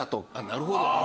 なるほど！